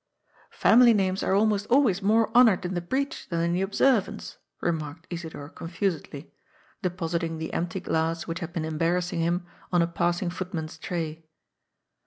*^ Family names are almost always more honoured in the breach than in the observance," remarked Isidor confusedly, depositing the empty glass which had been embarrassing him on a passing footman's tray.